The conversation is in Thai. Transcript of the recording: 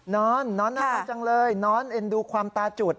น้อนน้อนน่ารักจังเลยน้อนเอ็นดูความตาจุด